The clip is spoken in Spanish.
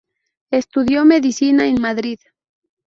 Estudió medicina en Madrid.